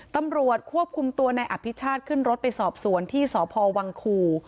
ตำรวจควบคุมตัวนายอภิชาติขึ้นรถไปสอบสวนที่สพวังคู